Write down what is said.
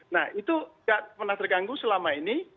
nah itu tidak pernah terganggu selama ini